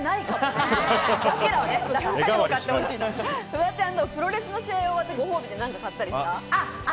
フワちゃん、プロレスの試合終わって、ご褒美で何か買ったりした？